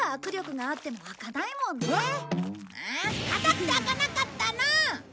固くて開かなかったの！